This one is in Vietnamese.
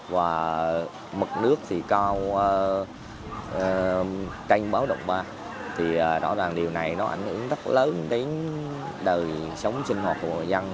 và mực nước thì cao trên báo động ba thì rõ ràng điều này nó ảnh hưởng rất lớn đến đời sống sinh hoạt của người dân